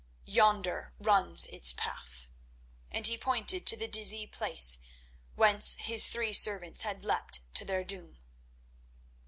Yonder runs its path," and he pointed to the dizzy place whence his three servants had leapt to their doom.